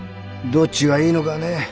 どっちがいいのかね。